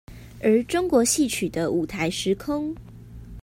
而中國戲曲的舞臺時空